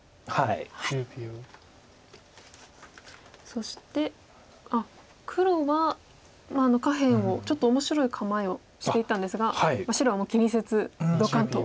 そして黒は下辺をちょっと面白い構えをしていったんですが白はもう気にせずドカンと。